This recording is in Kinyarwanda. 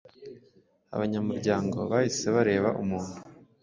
Abanyamuryango bahise bareba umuntu